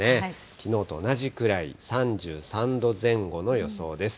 きのうと同じくらい、３３度前後の予想です。